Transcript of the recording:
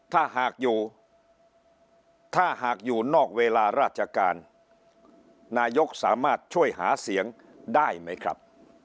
ถ้าหากอยู่ถ้าหากอยู่นอกเวลาราชการนายกสามารถช่วยหาเสียงได้ไหมครับ